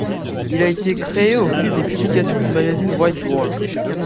Il a été créé au fil des publications du magazine White Dwarf.